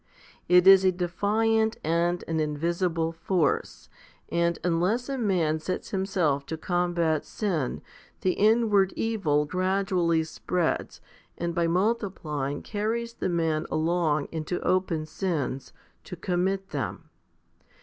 It is a defiant and an invisible force ; and unless a man sets him self to combat sin, the inward evil gradually spreads, and by multiplying carries the man along into open sins, to commit them.